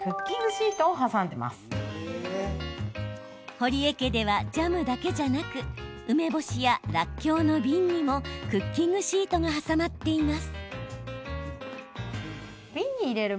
堀江家ではジャムだけじゃなく梅干しや、らっきょうの瓶にもクッキングシートが挟まっています。